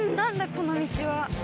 この道は。